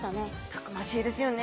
たくましいですよね。